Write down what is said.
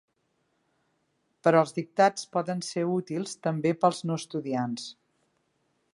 Però els dictats poden ser útils també pels no estudiants.